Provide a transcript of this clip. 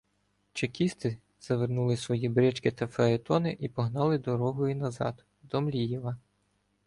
Чекісти завернули свої брички та фаетони і погнали дорогою назаддо Млієва.